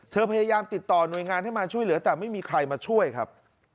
พยายามติดต่อหน่วยงานให้มาช่วยเหลือแต่ไม่มีใครมาช่วยครับ